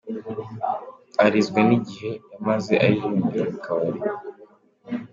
Arizwa n’igihe yamaze aririmbira mu kabari.